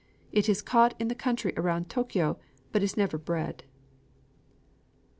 It is caught in the country about Tōkyō, but is never bred.